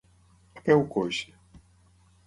A peu coix.